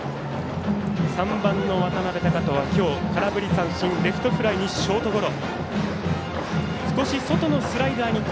３番の渡邊升翔は今日、空振り三振レフトフライに、ショートゴロ。